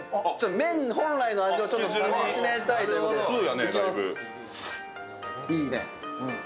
麺本来の味をかみしめたいということで、いきます。